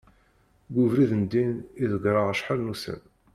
deg ubrid n ddin i ḍegreɣ acḥal d ussan